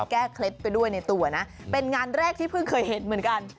เคล็ดไปด้วยในตัวนะเป็นงานแรกที่เพิ่งเคยเห็นเหมือนกัน